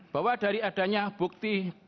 bahwa dari adanya bukti